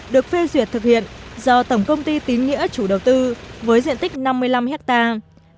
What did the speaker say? được phê duyệt thực hiện do tổng công ty tín nghĩa chủ đầu tư với diện tích năm mươi năm hectare